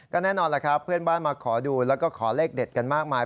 แน่นอนแหละครับเพื่อนบ้านมาขอดูแล้วก็ขอเลขเด็ดกันมากมาย